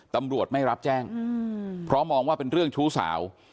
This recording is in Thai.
ตำรวจไม่รับแจ้งเพราะมองว่าเป็นเรื่องชู้สาว